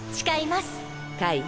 カイ